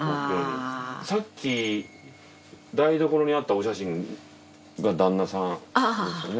さっき台所にあったお写真が旦那さんですよね？